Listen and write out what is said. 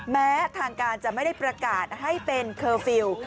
แม้ทางการจะไม่ได้ประกาศให้เป็นเคอร์ฟิลล์